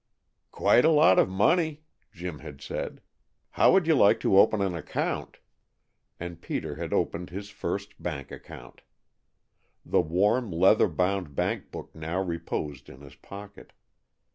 "Quite a lot of money," Jim had said. "How would you like to open an account?" and Peter had opened his first bank account. The warm, leather bound bank book now reposed in his pocket.